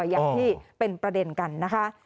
อย่างที่เป็นประเด็นกันนะคะ